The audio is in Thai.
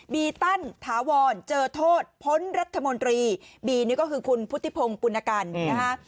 ีตันถาวรเจอโทษพ้นรัฐมนตรีบีนี่ก็คือคุณพุทธิพงศ์ปุณกันนะคะ